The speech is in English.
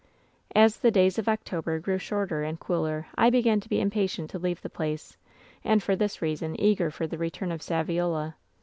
"As the days of October grew shorter and cooler I began to be impatient to leave the place, and for this reason eager for the return of Saviola.